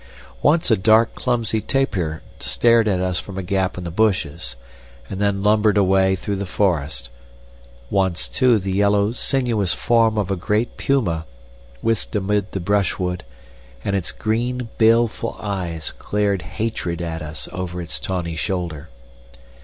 Once a dark, clumsy tapir stared at us from a gap in the bushes, and then lumbered away through the forest; once, too, the yellow, sinuous form of a great puma whisked amid the brushwood, and its green, baleful eyes glared hatred at us over its tawny shoulder.